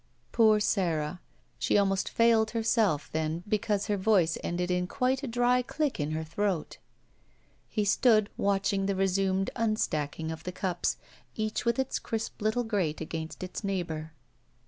Poor Sara, she almost failed herself then because her voice ended in quite a dry click in her throat. He stood watching the resumed unstaddng of the cups, each with its crisp Uttle grate against its neighbor.